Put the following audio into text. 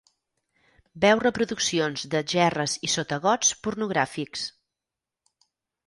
Veu reproduccions de gerres i sotagots pornogràfics.